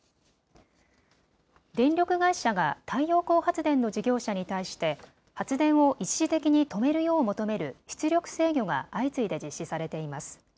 電力会社が太陽光発電の事業者に対して発電を一時的に止めるよう求める出力制御が相次いで実施されています。